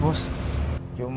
terima kasih cuy